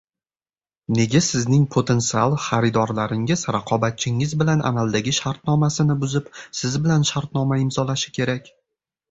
nega sizning potensial xaridorlaringiz raqobatchingiz bilan amaldagi shartnomasini buzib, siz bilan shartnoma imzolashi kerak?